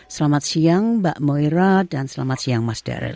selamat siang mbak moira dan selamat siang mas daril